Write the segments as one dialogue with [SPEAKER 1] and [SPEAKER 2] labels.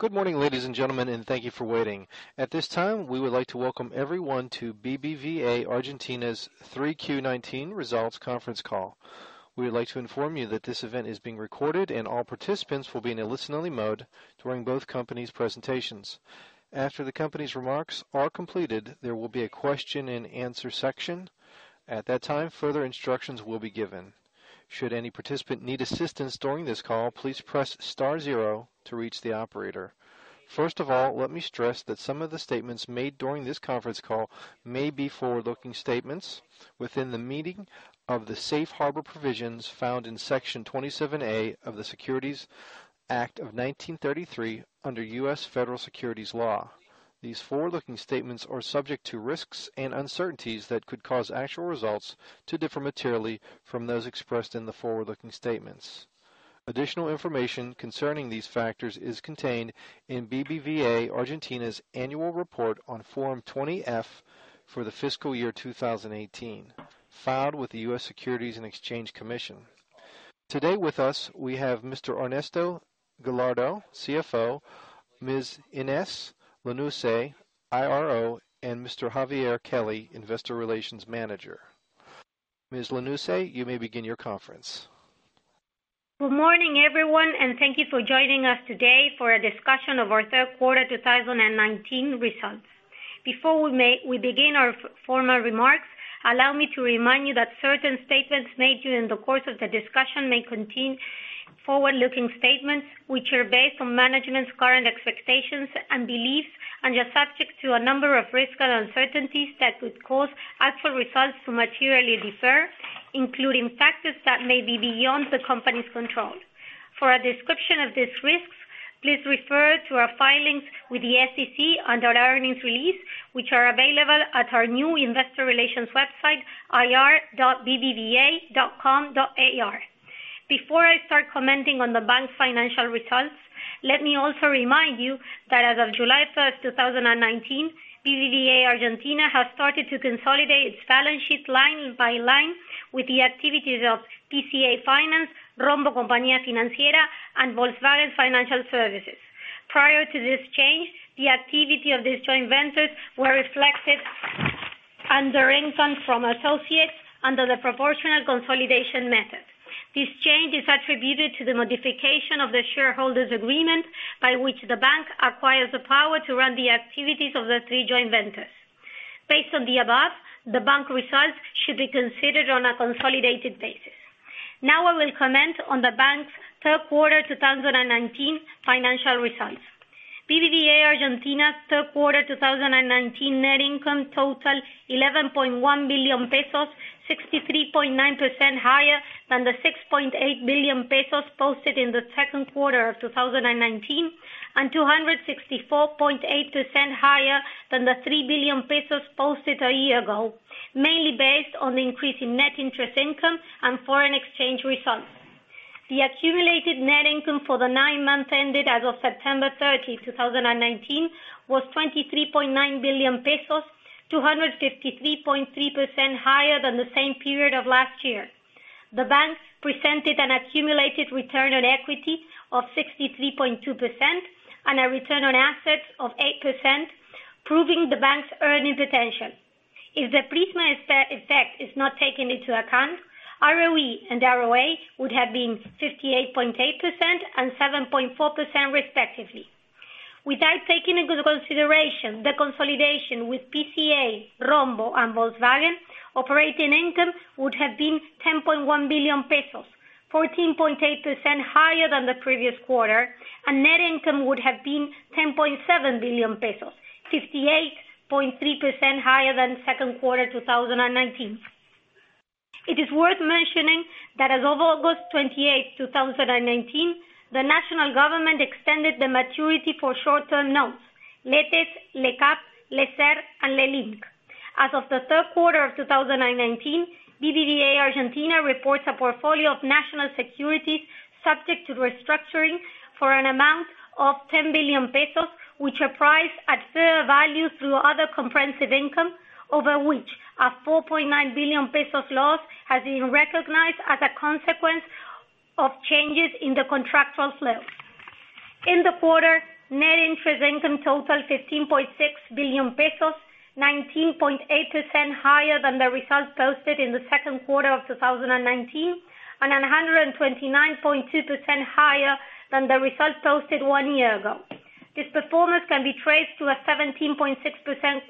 [SPEAKER 1] Good morning, ladies and gentlemen, and thank you for waiting. At this time, we would like to welcome everyone to BBVA Argentina's 3Q19 results conference call. We would like to inform you that this event is being recorded, and all participants will be in a listen-only mode during both companies' presentations. After the companies' remarks are completed, there will be a question and answer section. At that time, further instructions will be given. Should any participant need assistance during this call, please press star zero to reach the operator. First of all, let me stress that some of the statements made during this conference call may be forward-looking statements within the meaning of the safe harbor provisions found in Section 27A of the Securities Act of 1933, under U.S. Federal Securities Law. These forward-looking statements are subject to risks and uncertainties that could cause actual results to differ materially from those expressed in the forward-looking statements. Additional information concerning these factors is contained in BBVA Argentina's annual report on Form 20-F for the fiscal year 2018, filed with the U.S. Securities and Exchange Commission. Today with us, we have Mr. Ernesto Gallardo, CFO, Ms. Inés Lanusse, IRO, and Mr. Javier Kelly, investor relations manager. Ms. Lanusse, you may begin your conference.
[SPEAKER 2] Good morning, everyone, and thank you for joining us today for a discussion of our third quarter 2019 results. Before we begin our formal remarks, allow me to remind you that certain statements made during the course of the discussion may contain forward-looking statements, which are based on management's current expectations and beliefs, and are subject to a number of risks and uncertainties that could cause actual results to materially differ, including factors that may be beyond the company's control. For a description of these risks, please refer to our filings with the SEC and our earnings release, which are available at our new investor relations website, ir.bbva.com.ar. Before I start commenting on the bank's financial results, let me also remind you that as of July 1st, 2019, BBVA Argentina has started to consolidate its balance sheet line by line with the activities of PSA Finance, Rombo Compañía Financiera, and Volkswagen Financial Services. Prior to this change, the activity of these joint ventures was reflected under income from associates under the proportional consolidation method. This change is attributed to the modification of the shareholders' agreement by which the bank acquires the power to run the activities of the three joint ventures. Based on the above, the bank results should be considered on a consolidated basis. Now, I will comment on the bank's third quarter 2019 financial results. BBVA Argentina third quarter 2019 net income totaled 11.1 billion pesos, 63.9% higher than the 6.8 billion pesos posted in the second quarter of 2019, and 264.8% higher than the 3 billion pesos posted a year ago, mainly based on the increase in net interest income and foreign exchange results. The accumulated net income for the nine months ended as of September 30th, 2019, was ARS 23.9 billion, 253.3% higher than the same period of last year. The bank presented an accumulated return on equity of 63.2%, and a return on assets of 8%, proving the bank's earning potential. If the PRISMA effect is not taken into account, ROE and ROA would have been 58.8% and 7.4%, respectively. Without taking into consideration the consolidation with PSA, Rombo, and Volkswagen, operating income would have been 10.1 billion pesos, 14.8% higher than the previous quarter, and net income would have been 10.7 billion pesos, 58.3% higher than second quarter 2019. It is worth mentioning that as of August 28th, 2019, the national government extended the maturity for short-term notes, LETES, LECAP, LECER, and LELIQ. As of the third quarter of 2019, BBVA Argentina reports a portfolio of national securities subject to restructuring for an amount of 10 billion pesos, which are priced at fair value through other comprehensive income, over which a 4.9 billion pesos loss has been recognized as a consequence of changes in the contractual flow. In the quarter, net interest income totaled 15.6 billion pesos, 19.8% higher than the results posted in the second quarter of 2019, and 129.2% higher than the results posted one year ago. This performance can be traced to a 17.6%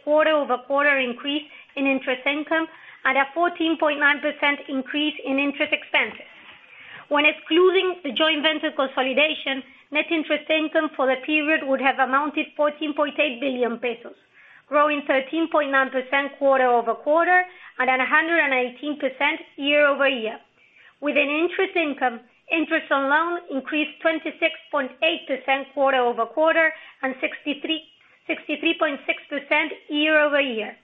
[SPEAKER 2] quarter-over-quarter increase in interest income and a 14.9% increase in interest expenses. When excluding the joint venture consolidation, net interest income for the period would have amounted to 14.8 billion pesos, growing 13.9% quarter-over-quarter and at 118% year-over-year. With an interest income, interest on loans increased 26.8% quarter-over-quarter and 63.6% year-over-year.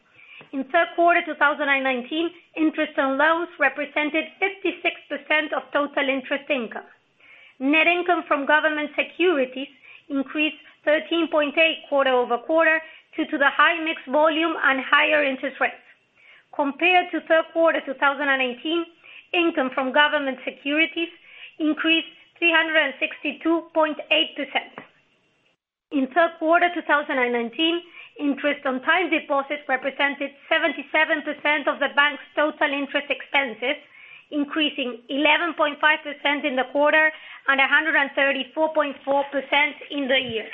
[SPEAKER 2] In the third quarter 2019, interest on loans represented 56% of total interest income. Net income from government securities increased 13.8% quarter-over-quarter due to the high mixed volume and higher interest rates. Compared to third quarter 2018, income from government securities increased 362.8%. In third quarter 2019, interest on time deposits represented 77% of the bank's total interest expenses, increasing 11.5% in the quarter, and 134.4% in the year.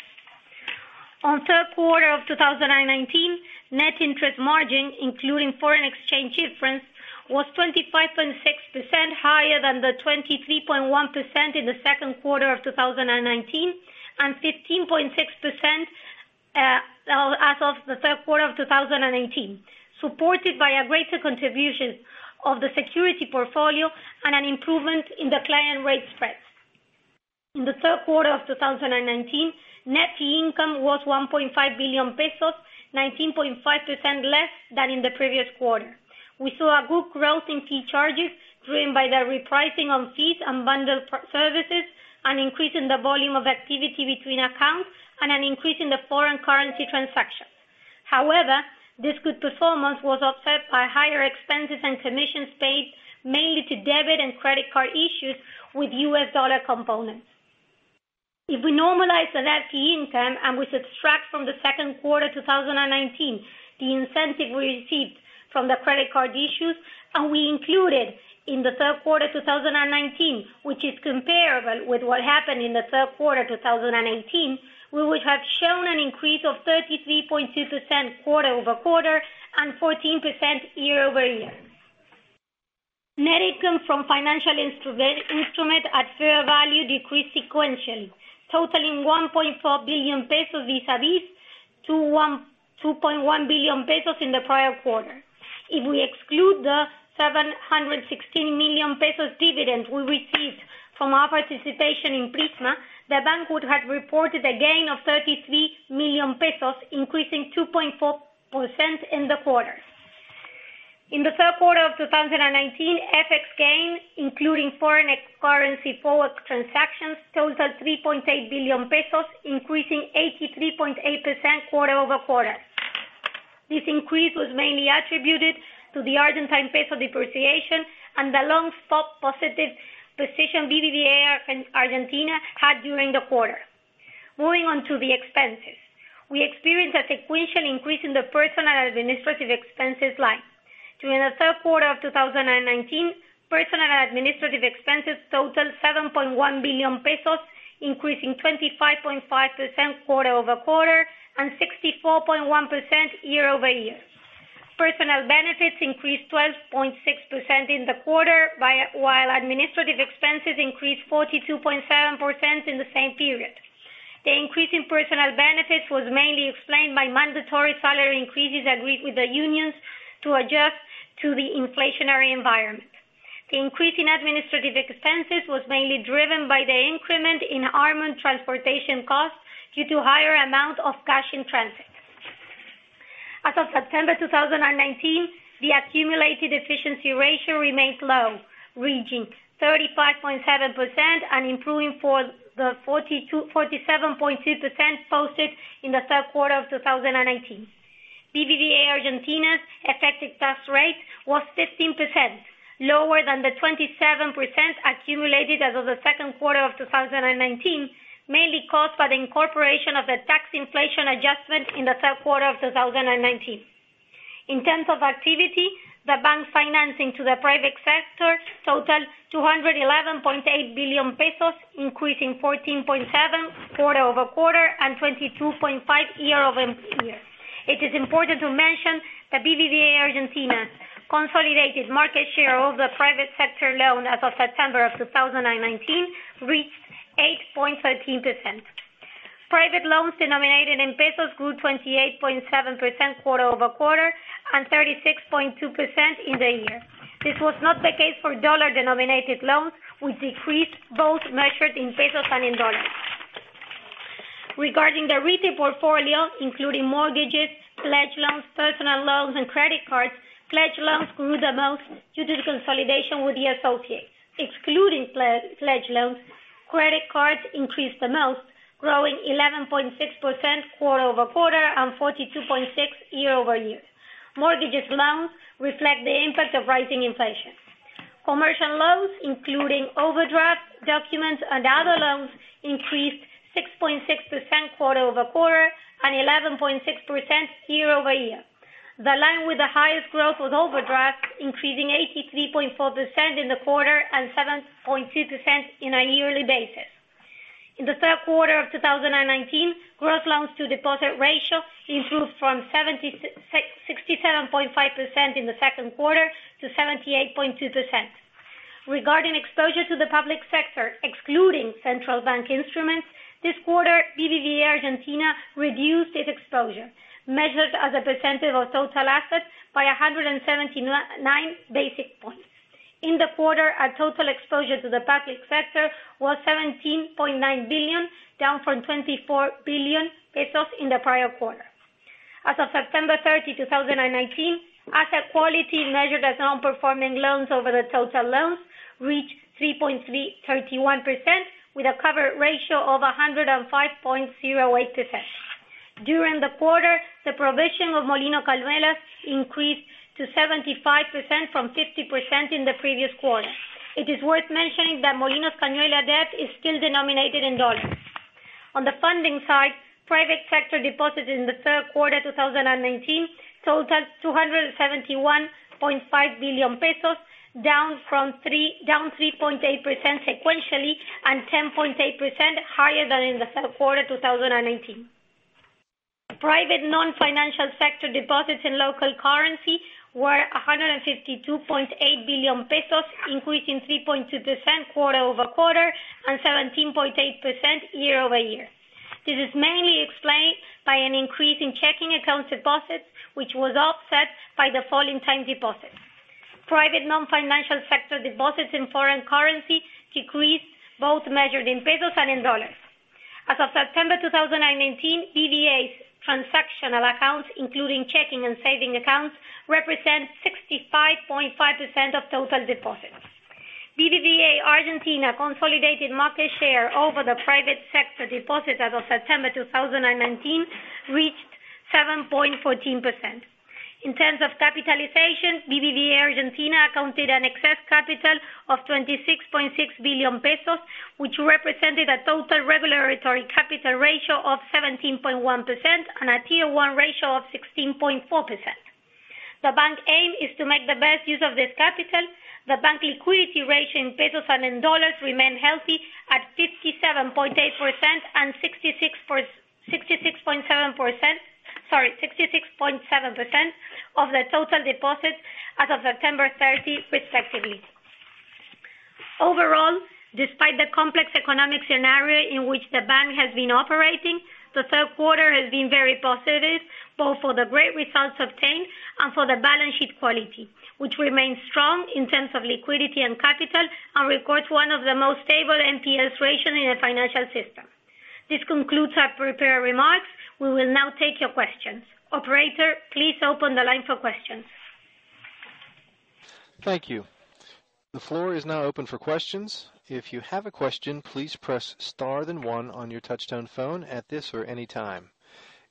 [SPEAKER 2] On the third quarter of 2019, net interest margin, including foreign exchange difference, was 25.6% higher than the 23.1% in the second quarter of 2019, and 15.6% as of the third quarter of 2018, supported by a greater contribution of the security portfolio and an improvement in the client rate spreads. In the third quarter of 2019, net fee income was 1.5 billion pesos, 19.5% less than in the previous quarter. We saw a good growth in fee charges, driven by the repricing on fees and bundled services, an increase in the volume of activity between accounts, and an increase in the foreign currency transactions. However, this good performance was offset by higher expenses and commissions paid mainly to debit and credit card issues with U.S. dollar components. If we normalize the net fee income and we subtract from the second quarter 2019, the incentive we received from the credit card issues, and we included in the third quarter 2019, which is comparable with what happened in the third quarter 2018, we would have shown an increase of 33.2% quarter-over-quarter and 14% year-over-year. Net income from financial instrument at fair value decreased sequentially, totaling 1.4 billion pesos vis-a-vis 2.1 billion pesos in the prior quarter. If we exclude the 716 million pesos dividend we received from our participation in PRISMA, the bank would have reported a gain of 33 million pesos, increasing 2.4% in the quarter. In the third quarter of 2019, FX gain, including foreign currency forward transactions, totaled 3.8 billion pesos, increasing 83.8% quarter-over-quarter. This increase was mainly attributed to the Argentine peso depreciation and the long positive position BBVA Argentina had during the quarter. Moving on to the expenses. We experienced a sequential increase in the personal administrative expenses line. During the third quarter of 2019, personal administrative expenses totaled 7.1 billion pesos, increasing 25.5% quarter-over-quarter and 64.1% year-over-year. Personnel benefits increased 12.6% in the quarter, while administrative expenses increased 42.7% in the same period. The increase in personnel benefits was mainly explained by mandatory salary increases agreed with the unions to adjust to the inflationary environment. The increase in administrative expenses was mainly driven by the increment in armored transportation costs due to higher amount of cash in transit. As of September 2019, the accumulated efficiency ratio remains low, reaching 35.7% and improving for the 47.2% posted in the third quarter of 2018. BBVA Argentina's effective tax rate was 15%, lower than the 27% accumulated as of the second quarter of 2019, mainly caused by the incorporation of the tax inflation adjustment in the third quarter of 2019. In terms of activity, the bank financing to the private sector totaled 211.8 billion pesos, increasing 14.7% quarter-over-quarter and 22.5% year-over-year. It is important to mention that BBVA Argentina consolidated market share of the private sector loan as of September of 2019 reached 8.13%. Private loans denominated in ARS grew 28.7% quarter-over-quarter and 36.2% year-over-year. This was not the case for USD-denominated loans, which decreased both measured in ARS and in USD. Regarding the retail portfolio, including mortgages, pledge loans, personal loans, and credit cards, pledge loans grew the most due to the consolidation with the associates. Excluding pledge loans, credit cards increased the most, growing 11.6% quarter-over-quarter and 42.6% year-over-year. Mortgages loans reflect the impact of rising inflation. Commercial loans, including overdraft, documents, and other loans, increased 6.6% quarter-over-quarter and 11.6% year-over-year. The line with the highest growth was overdraft, increasing 83.4% in the quarter and 7.2% in a yearly basis. In the third quarter of 2019, gross loans to deposit ratio improved from 67.5% in the second quarter to 78.2%. Regarding exposure to the public sector, excluding central bank instruments, this quarter, BBVA Argentina reduced its exposure, measured as a percentage of total assets by 179 basic points. In the quarter, our total exposure to the public sector was 17.9 billion, down from 24 billion pesos in the prior quarter. As of September 30, 2019, asset quality measured as non-performing loans over the total loans reached 3.31%, with a cover ratio of 105.08%. During the quarter, the provision of Molino Cañuelas increased to 75% from 50% in the previous quarter. It is worth mentioning that Molino Cañuelas' debt is still denominated in U.S. dollars. On the funding side, private sector deposits in the third quarter 2019 totaled 271.5 billion pesos, down 3.8% sequentially and 10.8% higher than in the third quarter 2018. Private non-financial sector deposits in local currency were 152.8 billion pesos, increasing 3.2% quarter-over-quarter and 17.8% year-over-year. This is mainly explained by an increase in checking account deposits, which was offset by the fall in time deposits. Private non-financial sector deposits in foreign currency decreased, both measured in ARS and in U.S. dollars. As of September 2019, BBVA's transactional accounts, including checking and saving accounts, represent 65.5% of total deposits. BBVA Argentina consolidated market share over the private sector deposits as of September 2019 reached 7.14%. In terms of capitalization, BBVA Argentina accounted an excess capital of 26.6 billion pesos, which represented a total regulatory capital ratio of 17.1% and a Tier 1 ratio of 16.4%. The bank aim is to make the best use of this capital. The bank liquidity ratio in ARS and in US dollars remain healthy at 57.8% and 66.7% of the total deposits as of September 30, respectively. Overall, despite the complex economic scenario in which the bank has been operating, the third quarter has been very positive, both for the great results obtained and for the balance sheet quality, which remains strong in terms of liquidity and capital, and records one of the most stable NPLs ratio in the financial system. This concludes our prepared remarks. We will now take your questions. Operator, please open the line for questions.
[SPEAKER 1] Thank you. The floor is now open for questions. If you have a question, please press star then one on your touch tone phone at this or any time.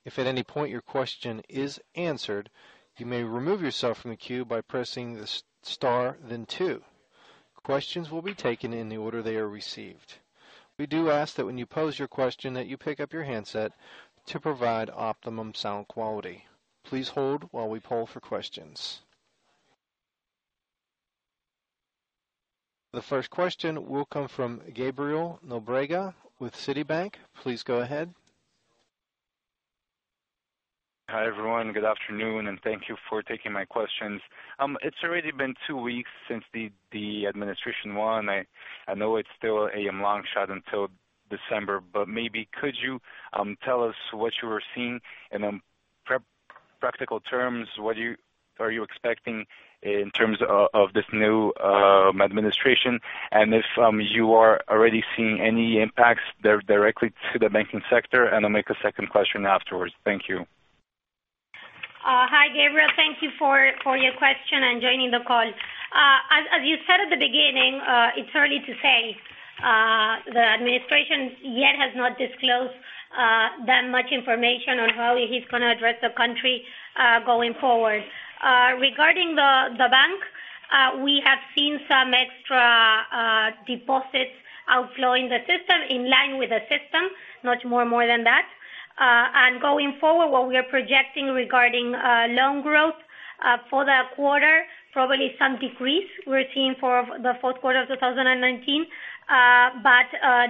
[SPEAKER 1] If at any point your question is answered, you may remove yourself from the queue by pressing the star then two. Questions will be taken in the order they are received. We do ask that when you pose your question, that you pick up your handset to provide optimum sound quality. Please hold while we poll for questions. The first question will come from Gabriel Nobrega with Citibank. Please go ahead.
[SPEAKER 3] Hi, everyone. Good afternoon, and thank you for taking my questions. It's already been two weeks since the administration won. I know it's still a long shot until December, but maybe could you tell us what you are seeing, and in practical terms, what are you expecting in terms of this new administration? If you are already seeing any impacts directly to the banking sector, and I'll make a second question afterwards. Thank you.
[SPEAKER 2] Hi, Gabriel. Thank you for your question and joining the call. As you said at the beginning, it's early to say. The administration yet has not disclosed that much information on how he's going to address the country going forward. Regarding the bank, we have seen some extra deposits outflowing the system, in line with the system, not more than that. Going forward, what we are projecting regarding loan growth, for the quarter, probably some decrease we're seeing for the fourth quarter of 2019.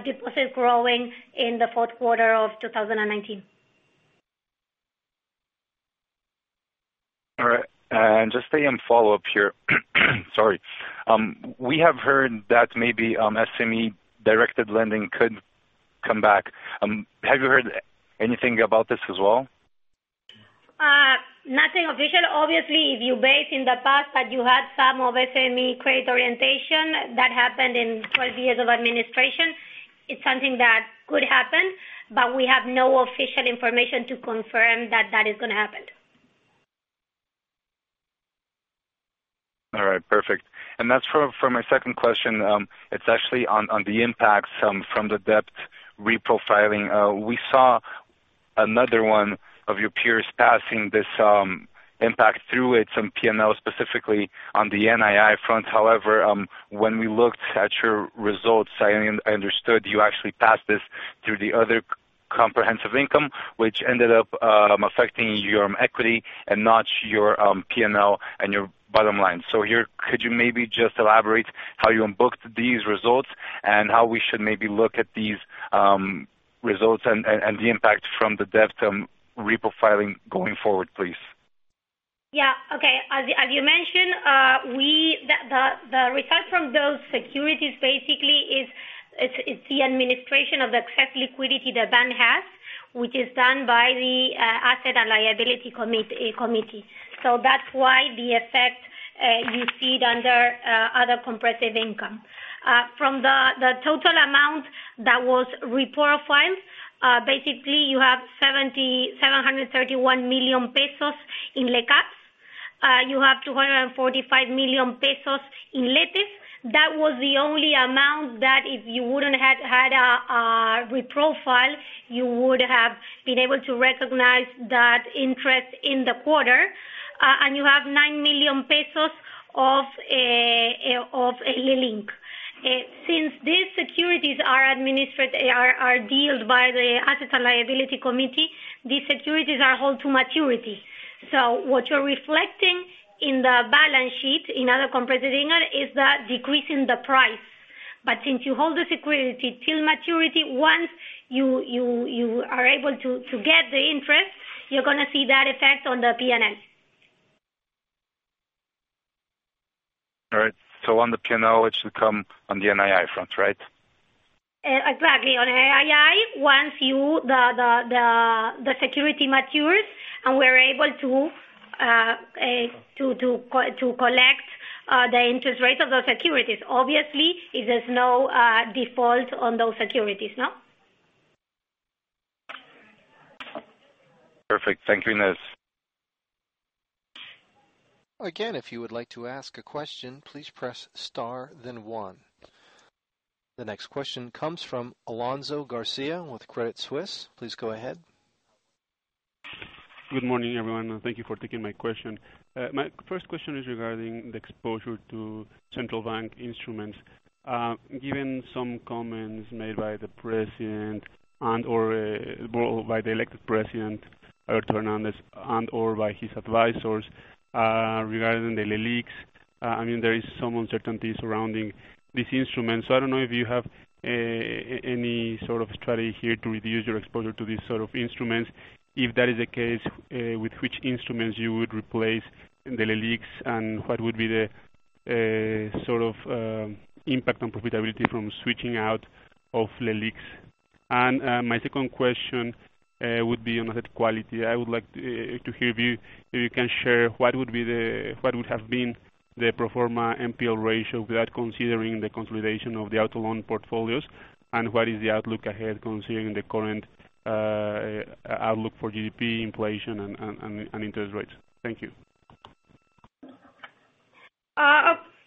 [SPEAKER 2] Deposit growing in the fourth quarter of 2019.
[SPEAKER 3] All right. Just a follow-up here. Sorry. We have heard that maybe SME-directed lending could come back. Have you heard anything about this as well?
[SPEAKER 2] Nothing official. Obviously, if you base in the past that you had some of SME credit orientation, that happened in 12 years of administration. It's something that could happen, we have no official information to confirm that that is going to happen.
[SPEAKER 3] All right. Perfect. As for my second question, it's actually on the impact from the debt reprofiling. We saw another one of your peers passing this impact through it, some P&L, specifically on the NII front. However, when we looked at your results, I understood you actually passed this through the other comprehensive income, which ended up affecting your equity and not your P&L and your bottom line. Here, could you maybe just elaborate how you booked these results and how we should maybe look at these results and the impact from the debt reprofiling going forward, please?
[SPEAKER 2] Okay. As you mentioned, the result from those securities basically is the administration of excess liquidity the bank has, which is done by the Asset and Liability Committee. That's why the effect you see it under other comprehensive income. From the total amount that was reprofiled, basically you have 731 million pesos in LECAP. You have 245 million pesos in LETES. That was the only amount that if you wouldn't have had a reprofile, you would have been able to recognize that interest in the quarter, and you have 9 million pesos of LELIQ. Since these securities are administered, are dealt by the Asset and Liability Committee, these securities are held to maturity. What you're reflecting in the balance sheet, in other comprehensive income, is the decrease in the price. Since you hold the security till maturity, once you are able to get the interest, you're going to see that effect on the P&L.
[SPEAKER 3] All right. On the P&L, it should come on the NII front, right?
[SPEAKER 2] Exactly. On NII, once the security matures and we're able to collect the interest rate of those securities. Obviously, if there's no default on those securities.
[SPEAKER 3] Perfect. Thank you, Inés.
[SPEAKER 1] Again, if you would like to ask a question, please press star then one. The next question comes from Alonso Garcia with Credit Suisse. Please go ahead.
[SPEAKER 4] Good morning, everyone, thank you for taking my question. My first question is regarding the exposure to central bank instruments. Given some comments made by the elected president, Alberto Fernández, and/or by his advisors, regarding the LELIQs, there is some uncertainty surrounding this instrument. I don't know if you have any sort of strategy here to reduce your exposure to these sort of instruments. If that is the case, with which instruments you would replace the LELIQs and what would be the impact on profitability from switching out of LELIQs. My second question would be on asset quality. I would like to hear if you can share what would have been the pro forma NPL ratio without considering the consolidation of the auto loan portfolios, and what is the outlook ahead considering the current outlook for GDP inflation and interest rates. Thank you.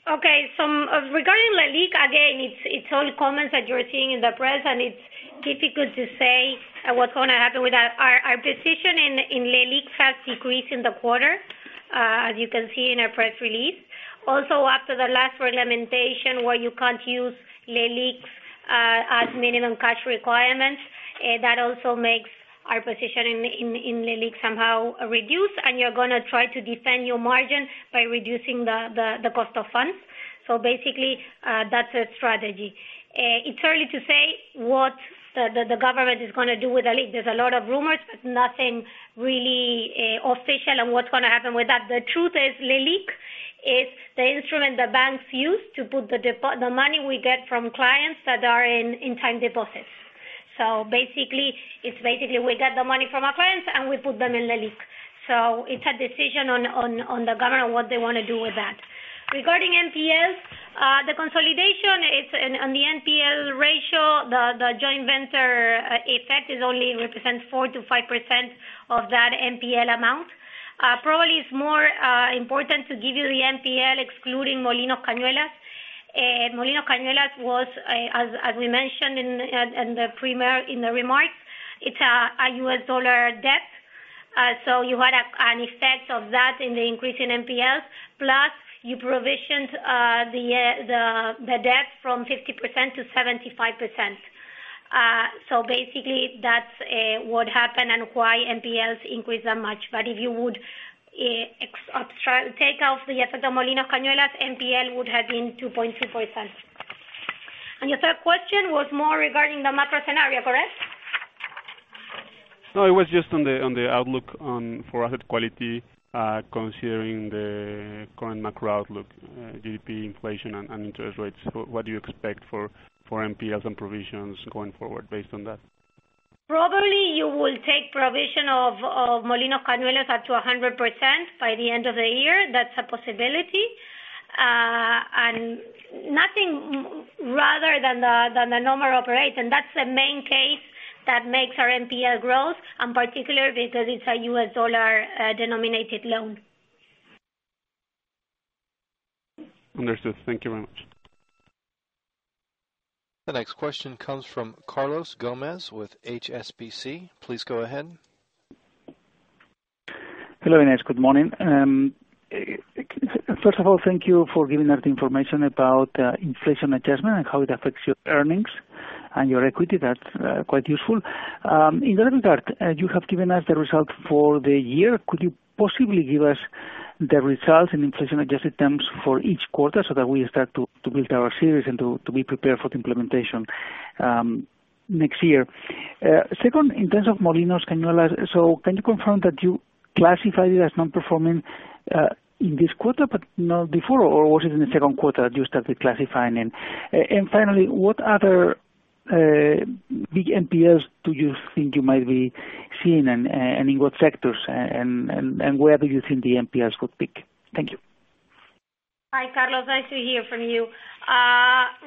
[SPEAKER 2] Okay. Regarding LELIQ, again, it's only comments that you're seeing in the press, and it's difficult to say what's going to happen with that. Our position in LELIQ has decreased in the quarter, as you can see in our press release. Also, after the last regulation, where you can't use LELIQs as minimum cash requirements, that also makes our position in LELIQ somehow reduced, and you're going to try to defend your margins by reducing the cost of funds. Basically, that's a strategy. It's early to say what the government is going to do with LELIQ. There's a lot of rumors, but nothing really official on what's going to happen with that. The truth is, LELIQ is the instrument the banks use to put the money we get from clients that are in time deposits. Basically, we get the money from our clients, and we put them in LELIQ. Regarding NPLs, the consolidation on the NPL ratio, the joint venture effect only represents 4%-5% of that NPL amount. Probably, it's more important to give you the NPL, excluding Molino Cañuelas. Molino Cañuelas was, as we mentioned in the remarks, it's a U.S. dollar debt. You had an effect of that in the increase in NPLs. Plus, you provisioned the debt from 50% to 75%. Basically, that's what happened and why NPLs increased that much. If you would take out the effect of Molino Cañuelas, NPL would have been 2.2%. Your third question was more regarding the macro scenario, correct?
[SPEAKER 4] No, it was just on the outlook for asset quality, considering the current macro outlook, GDP inflation, and interest rates. What do you expect for NPLs and provisions going forward based on that?
[SPEAKER 2] Probably, you will take provision of Molino Cañuelas up to 100% by the end of the year. That's a possibility. Nothing rather than the normal operation. That's the main case that makes our NPL growth, and particularly because it's a U.S. dollar-denominated loan.
[SPEAKER 4] Understood. Thank you very much.
[SPEAKER 1] The next question comes from Carlos Gomez-Lopez with HSBC. Please go ahead.
[SPEAKER 5] Hello, Inés. Good morning. First of all, thank you for giving that information about inflation adjustment and how it affects your earnings and your equity. That's quite useful. In that regard, you have given us the result for the year. Could you possibly give us the results in inflation-adjusted terms for each quarter so that we start to build our series and to be prepared for the implementation next year? Second, in terms of Molino Cañuelas, can you confirm that you classified it as non-performing in this quarter but not before? Was it in the second quarter that you started classifying? Finally, what other big NPLs do you think you might be seeing, and in what sectors, and where do you think the NPLs could peak? Thank you.
[SPEAKER 2] Hi, Carlos. Nice to hear from you.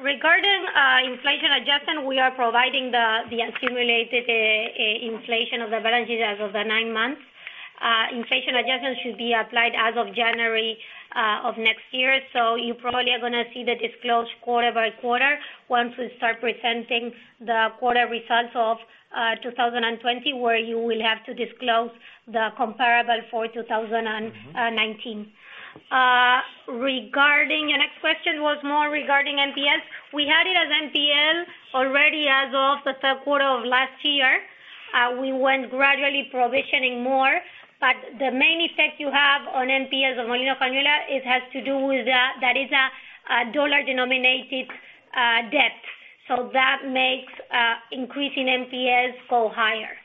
[SPEAKER 2] Regarding inflation adjustment, we are providing the accumulated inflation of the balances as of the nine months. Inflation adjustment should be applied as of January of next year. You probably are going to see the disclose quarter by quarter once we start presenting the quarter results of 2020, where you will have to disclose the comparable for 2019. Your next question was more regarding NPLs. We had it as NPL already as of the third quarter of last year. We went gradually provisioning more, the main effect you have on NPLs of Molino Cañuelas, it has to do with that is a dollar-denominated debt. That makes increasing NPLs go higher.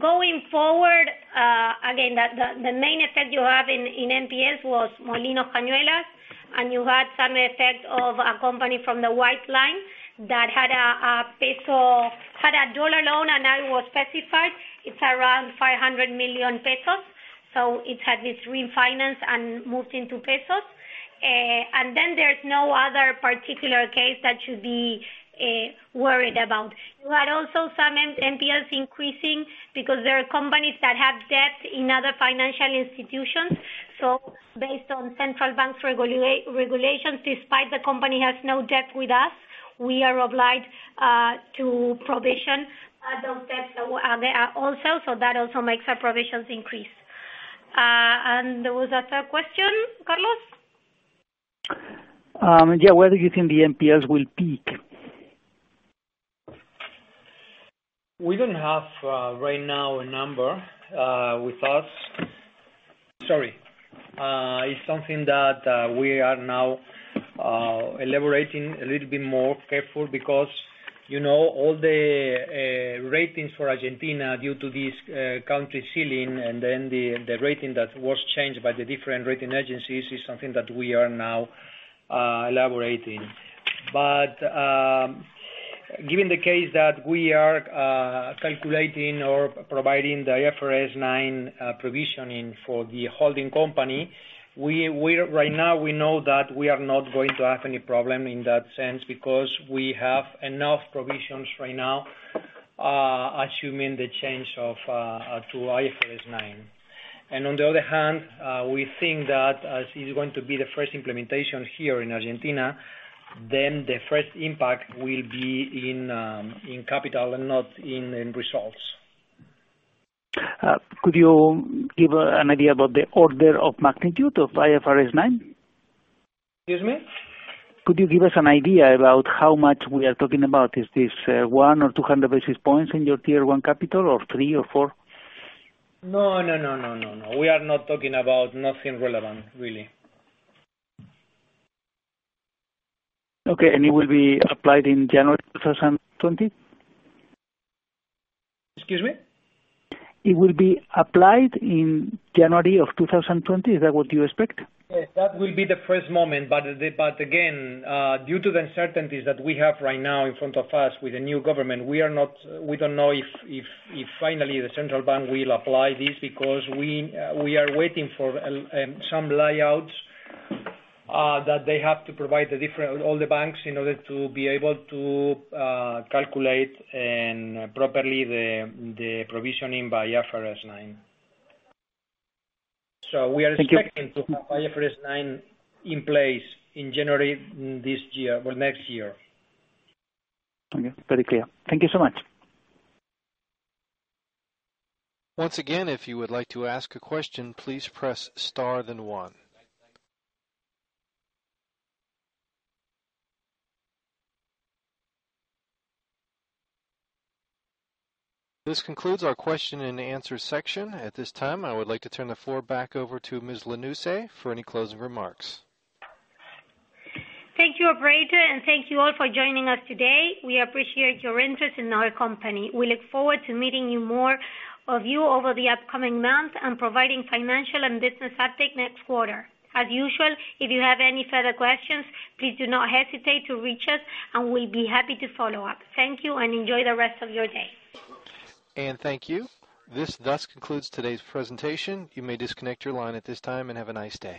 [SPEAKER 2] Going forward, again, the main effect you have in NPLs was Molino Cañuelas, and you had some effect of a company from the white goods line that had a dollar loan, and now it was specified. It's around 500 million pesos. It had this refinance and moved into pesos. There's no other particular case that should be worried about. You had also some NPLs increasing because there are companies that have debt in other financial institutions. Based on Central Bank regulations, despite the company has no debt with us, we are obliged to provision those debts also. That also makes our provisions increase. There was a third question, Carlos?
[SPEAKER 5] Yeah. Whether you think the NPLs will peak.
[SPEAKER 6] We don't have right now a number with us. Sorry. It's something that we are now elaborating a little bit more careful because all the ratings for Argentina due to this country ceiling and then the rating that was changed by the different rating agencies is something that we are now elaborating. Given the case that we are calculating or providing the IFRS 9 provisioning for the holding company, right now, we know that we are not going to have any problem in that sense because we have enough provisions right now assuming the change to IFRS 9. On the other hand, we think that as it is going to be the first implementation here in Argentina, then the first impact will be in capital and not in end results.
[SPEAKER 5] Could you give an idea about the order of magnitude of IFRS 9?
[SPEAKER 6] Excuse me?
[SPEAKER 5] Could you give us an idea about how much we are talking about? Is this one or 200 basis points in your Tier 1 capital or three or four?
[SPEAKER 6] No. We are not talking about nothing relevant, really.
[SPEAKER 5] Okay. It will be applied in January 2020?
[SPEAKER 6] Excuse me?
[SPEAKER 5] It will be applied in January of 2020? Is that what you expect?
[SPEAKER 6] Yes. That will be the first moment. Again, due to the uncertainties that we have right now in front of us with the new government, we don't know if finally the Central Bank will apply this because we are waiting for some layouts that they have to provide all the banks in order to be able to calculate and properly the provisioning by IFRS 9. We are expecting to have IFRS 9 in place in January next year.
[SPEAKER 5] Okay. Very clear. Thank you so much.
[SPEAKER 1] Once again, if you would like to ask a question, please press star then one. This concludes our question and answer section. At this time, I would like to turn the floor back over to Ms. Lanusse for any closing remarks.
[SPEAKER 2] Thank you, operator, and thank you all for joining us today. We appreciate your interest in our company. We look forward to meeting more of you over the upcoming months and providing financial and business update next quarter. As usual, if you have any further questions, please do not hesitate to reach us, and we'll be happy to follow up. Thank you, and enjoy the rest of your day.
[SPEAKER 1] Anne, thank you. This thus concludes today's presentation. You may disconnect your line at this time and have a nice day.